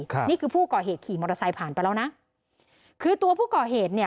ครับนี่คือผู้ก่อเหตุขี่มอเตอร์ไซค์ผ่านไปแล้วนะคือตัวผู้ก่อเหตุเนี่ย